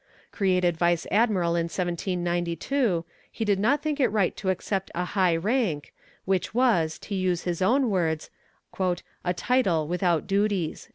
Created vice admiral in 1792, he did not think it right to accept a high rank, which was, to use his own words, "a title without duties."